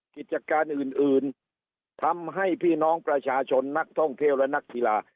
กิจการอื่นอื่นทำให้พี่น้องประชาชนนักท่องเที่ยวและนักกีฬา